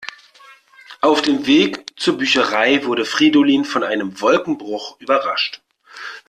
Auf dem Weg zur Bücherei wurde Fridolin von einem Wolkenbruch überrascht.